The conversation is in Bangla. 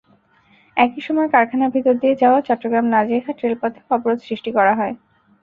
একই সময়ে কারখানার ভেতর দিয়ে যাওয়া চট্টগ্রাম-নাজিরহাট রেলপথেও অবরোধ সৃষ্টি করা হয়।